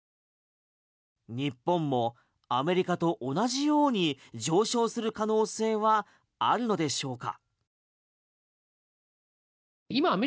日本もアメリカと同じように上昇する可能性はあるのでしょうか？